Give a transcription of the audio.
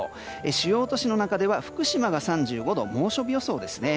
主要都市の中では福島が３５度猛暑日予想ですね。